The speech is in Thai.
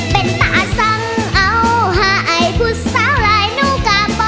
เป็นตาสั่งเอาให้ผู้เศร้าหลายหนูกลับบ่